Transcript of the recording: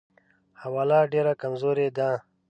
حواله ډېره کمزورې ده.